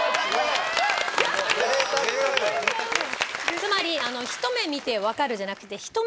つまりひと目見てわかるじゃなくて。